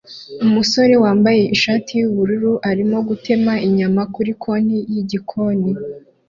Umusore wambaye ishati yubururu arimo gutema inyama kuri konti yigikoni